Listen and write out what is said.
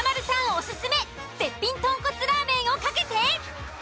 オススメ絶品豚骨ラーメンを懸けて。